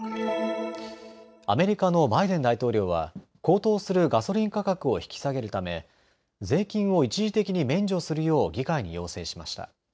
アメリカのバイデン大統領は高騰するガソリン価格を引き下げるため税金を一時的に免除するよう議会に要請しました。